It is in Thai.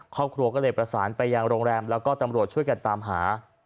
ครอบครัวก็เลยประสานไปยังโรงแรมแล้วก็ตำรวจช่วยกันตามหา